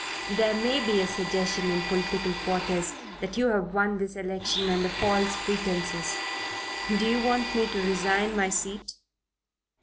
There may be a suggestion in political quarters that you have won this election under false pretences." "Do you want me to resign my seat?"